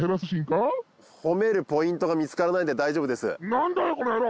何だよこの野郎！